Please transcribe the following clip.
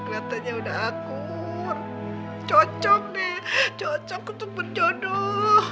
rasanya udah akur cocok deh cocok untuk berjodoh